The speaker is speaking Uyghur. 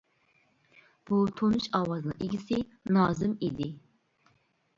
بۇ تونۇش ئاۋازنىڭ ئىگىسى نازىم ئىدى.